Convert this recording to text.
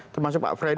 termasuk pak fredrik